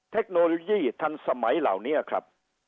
เทคโนโลยีทันสมัยเหล่านี้ครับ